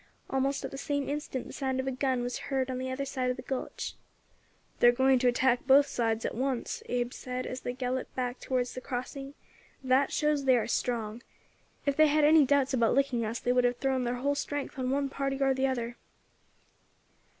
Almost at the same instant the sound of a gun was heard on the other side of the gulch. "They are going to attack both sides at once," Abe said, as they galloped back towards the crossing; "that shows they are strong. If they had any doubts about licking us they would have thrown thar whole strength on one party or the other."